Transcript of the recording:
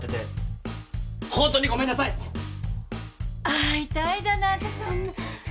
会いたいだなんてそんな